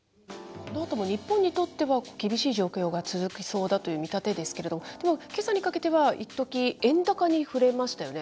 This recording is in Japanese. このあとも日本にとっては厳しい状況が続きそうだという見立てですけれども、では、けさにかけては、いっとき、円高に振れましたよね。